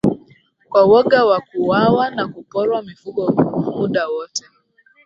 Kwa woga wa kuuawa na kuporwa mifugo muda wote